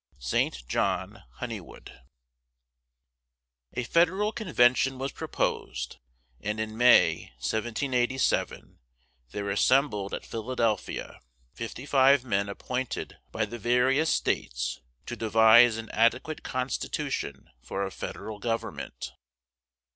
ST. JOHN HONEYWOOD. A federal convention was proposed, and in May, 1787, there assembled at Philadelphia fifty five men appointed by the various states to devise an adequate constitution for a federal government.